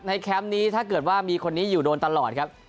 แคมป์นี้ถ้าเกิดว่ามีคนนี้อยู่โดนตลอดครับ